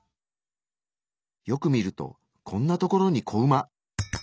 よく見るとこんなところに子馬。